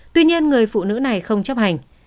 tuy nhiên người phụ nữ này không chấp hành